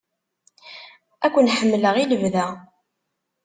Ad ken-ḥemmleɣ i lebda!